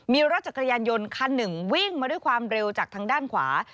มีรถจักรยานยนต์คันหนึ่งวิ่งมาด้วยความเร็วจากทางด้านขวา